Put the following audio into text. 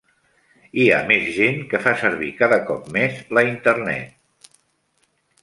Hi ha més gent que fa servir cada cop més la internet.